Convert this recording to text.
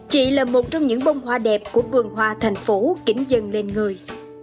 chị là một trong những bông hoa đẹp của vườn hoa thành phố kính dân lên người